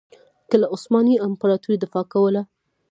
که له عثماني امپراطورۍ دفاع کوله.